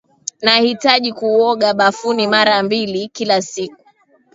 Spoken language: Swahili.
Ninahitaji kuoga bafuni mara mbili kila siku